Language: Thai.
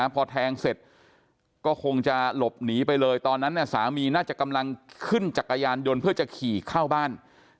พอแทงเสร็จก็คงจะหลบหนีไปเลยตอนนั้นสามีน่าจะกำลังขึ้นจักรยานยนต์เพื่อจะขี่เข้าบ้าน